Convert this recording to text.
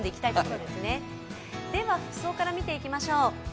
では服装から見ていきましょう。